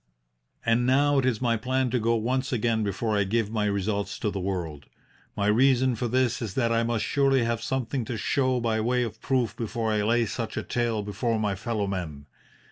"And now it is my plan to go once again before I give my results to the world. My reason for this is that I must surely have something to show by way of proof before I lay such a tale before my fellow men.